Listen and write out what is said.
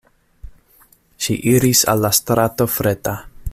Ŝi iris al la strato Freta.